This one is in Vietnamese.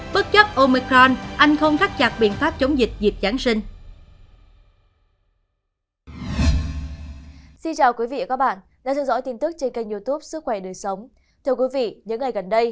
bất chấp omicron anh không thắt chặt biện pháp chống dịch dịp giáng sinh